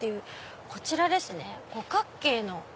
こちらですね五角形の。